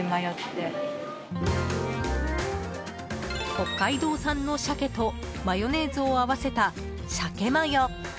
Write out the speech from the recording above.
北海道産のシャケとマヨネーズを合わせたしゃけマヨ。